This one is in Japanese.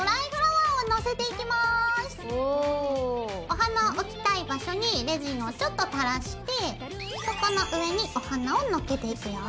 お花を置きたい場所にレジンをちょっと垂らしてそこの上にお花をのっけていくよ。